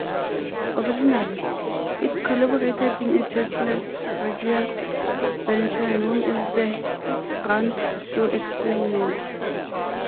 Originally, it collaborated in a churchless religious venture known as the 'Roundshaw Experiment'.